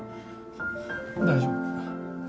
大丈夫。